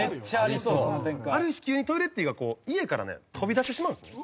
ある日急にトイレッティが家からね飛び出してしまうんですよね。